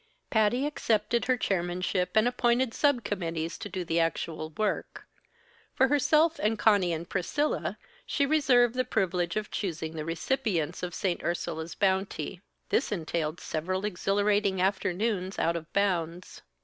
Patty accepted her chairmanship and appointed sub committees to do the actual work. For herself and Conny and Priscilla she reserved the privilege of choosing the recipients of St. Ursula's bounty. This entailed several exhilarating afternoons out of bounds.